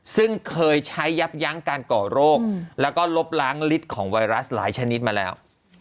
ซึ่งเคยใช้ยับยั้งการก่อโรคแล้วก็ลบล้างลิตรของไวรัสหลายชนิดมาแล้ว